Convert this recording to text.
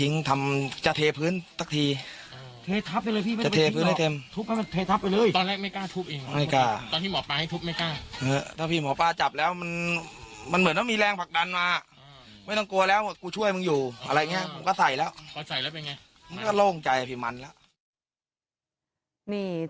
นี่เจ้าของบ้านก็เลยหมด